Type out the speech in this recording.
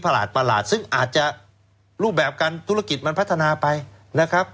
ประหลาดซึ่งอาจจะรูปแบบการธุรกิจมันพัฒนาไปนะครับ